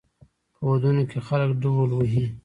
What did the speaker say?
په ودونو کې خلک ډول وهي.